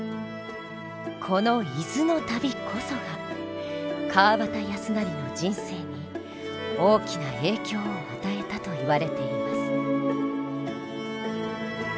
この伊豆の旅こそが川端康成の人生に大きな影響を与えたといわれています。